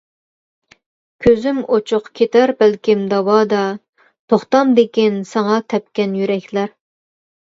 كۆزۈم ئوچۇق كېتەر بەلكىم داۋادا، توختامدىكىن ساڭا تەپكەن يۈرەكلەر.